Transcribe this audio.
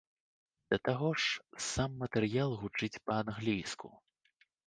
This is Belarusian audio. Да таго ж, сам матэрыял гучыць па-англійску.